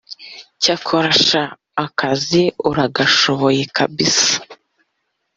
Cyakora sha akazi uragashoboye kabisa